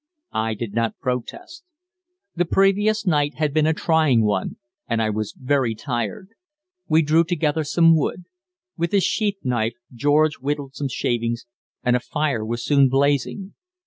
I did not protest. The previous night had been a trying one, and I was very tired. We drew together some wood. With his sheath knife George whittled some shavings, and a fire was soon blazing.